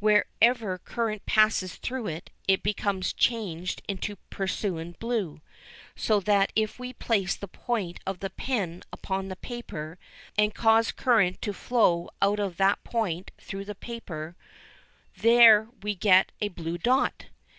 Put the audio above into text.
Wherever current passes through it, it becomes changed into Prussian blue, so that if we place the point of a pen upon the paper, and cause current to flow out of that point through the paper, there we get a blue dot.